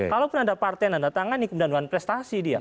kalau pun ada partai yang datang ini kebenaran prestasi dia